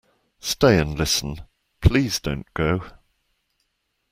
Stay and listen; please don't go